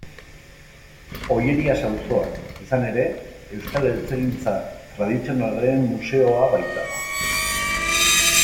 Ollerias auzoan, izan ere, Euskal Eltzegintza Tradizionalaren Museoa baitago.